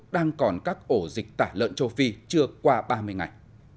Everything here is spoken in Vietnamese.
đang còn các ổ dịch tả lợn châu phi chưa qua ba mươi ngày